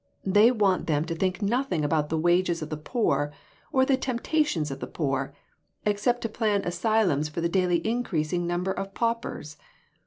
They want them to think nothing about the wages of the poor, or the temptations of the poor, except to plan asylums for the daily increasing number of paupers.